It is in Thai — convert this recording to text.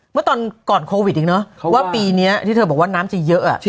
เมื่อตอนก่อนโควิดอีกเนอะว่าปีนี้ที่เธอบอกว่าน้ำจะเยอะ